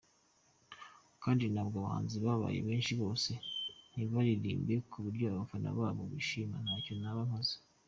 Kandi nabwo abahanzi babaye benshi bose ntibaririmbe kuburyo abafana babo bishima, ntacyo naba nakoze.